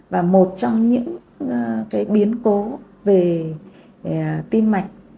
và một trong những biến cố về tim mạnh